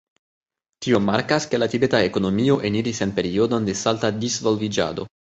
Tio markas, ke la tibeta ekonomio eniris en periodon de salta disvolviĝado.